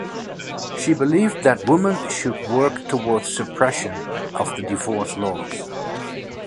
She believed that woman should work towards suppression of the divorce laws.